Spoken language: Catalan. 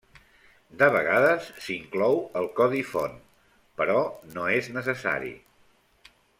De vegades s'inclou el codi font, però no és necessari.